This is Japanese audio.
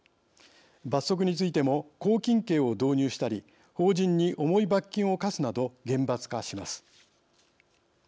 罰則についても拘禁刑を導入したり法人に重い罰金を科すなど厳罰化します。